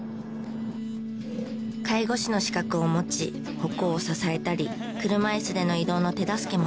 介護士の資格を持ち歩行を支えたり車椅子での移動の手助けもします。